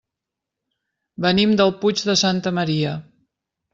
Venim del Puig de Santa Maria.